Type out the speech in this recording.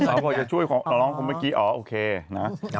อ๋อเขาจะช่วยของล้องคุณเมื่อกี้อ๋อโอเคนะ